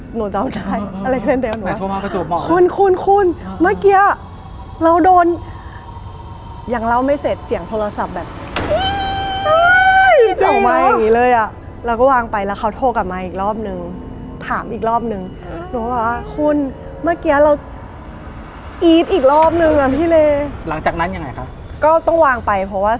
หนูจำได้อเล็กซ์เรนเดลหนูว่า